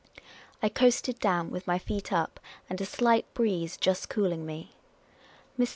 I coasted down, with my feet up, and a slight breeze just cooling me. Mr.